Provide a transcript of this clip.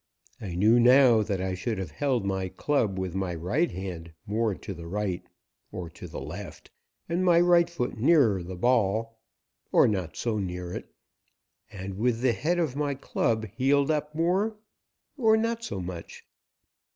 I knew now that I should have held my club with my right hand more to the right or to the left and my right foot nearer the ball or not so near it and with the head of my club heeled up more or not so much.